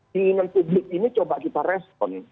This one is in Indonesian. keinginan publik ini coba kita respon